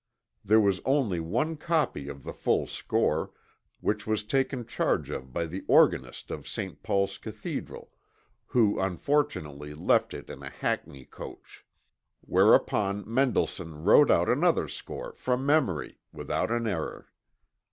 There was only one copy of the full score, which was taken charge of by the organist of St. Paul's Cathedral, who unfortunately left it in a hackney coach whereupon Mendelssohn wrote out another score from memory, without an error.